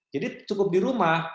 jadi cukup di rumah